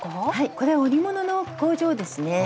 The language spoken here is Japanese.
これ織物の工場ですね。